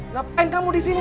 ngapain kamu disini